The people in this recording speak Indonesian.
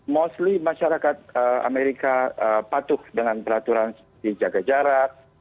maksudnya masyarakat amerika patuh dengan peraturan di jaga jarak